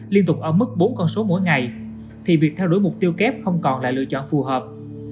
liên tục ở mức bốn con số mỗi ngày thì việc theo đuổi mục tiêu kép không còn là lựa chọn phù hợp